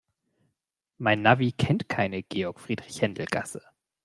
Mein Navi kennt keine Georg-Friedrich-Händel-Gasse.